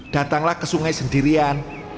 datanglah ke sungai sendirian